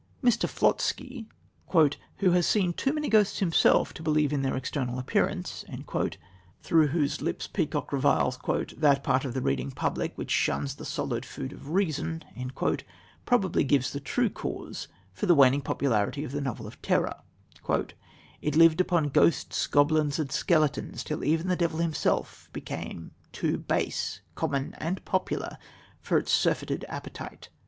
Mr. Flosky, "who has seen too many ghosts himself to believe in their external appearance," through whose lips Peacock reviles "that part of the reading public which shuns the solid food of reason," probably gives the true cause for the waning popularity of the novel of terror: "It lived upon ghosts, goblins and skeletons till even the devil himself ... became too base, common and popular for its surfeited appetite.